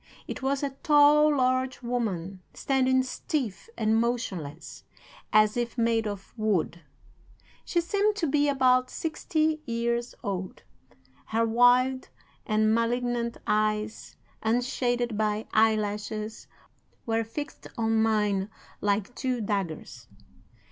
It was a tall, large woman, standing stiff and motionless, as if made of wood. She seemed to be about sixty years old. Her wild and malignant eyes, unshaded by eyelashes, were fixed on mine like two daggers.